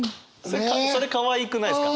それかわいくないですか？